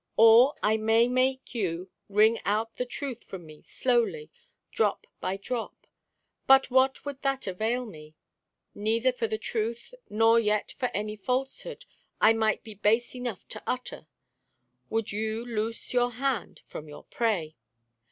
Or, I may make you wring out the truth from me slowly, drop by drop. But what would that avail me? Neither for the truth, nor yet for any falsehood I might be base enough to utter, would you loose your hand from your prey.